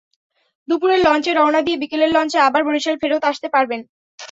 দুপুরের লঞ্চে রওনা দিয়ে বিকেলের লঞ্চে আবার বরিশাল ফেরত আসতে পারবেন।